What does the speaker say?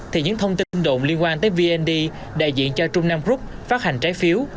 thì những thông tin đồn liên quan tới vnd đại diện cho trung nam group phát hành trái phiếu